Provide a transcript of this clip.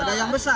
ada yang besar